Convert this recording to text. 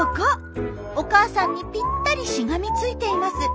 お母さんにピッタリしがみついています！